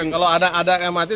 kalau ada yang mati